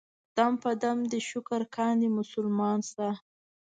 دم په دم دې شکر کاندي مسلمان ستا.